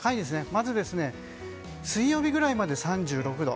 まず、水曜日ぐらいまで３６度。